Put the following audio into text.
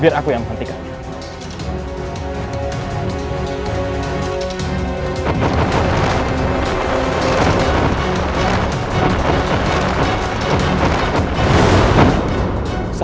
biar aku yang menghentikannya